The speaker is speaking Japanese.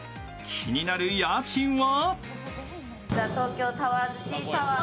気になる家賃は？